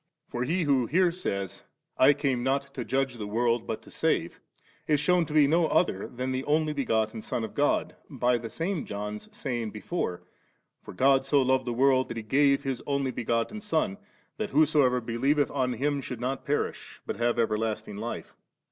For He who here says, *I came not to judge the woild but to save^' is shewn to be no other than the Only begotten Son of God, by the same John's saying before •,* For God so loved the world that He gave His Only begotten Son, that whosoever believeth on Him should not perish, but have everlasting life.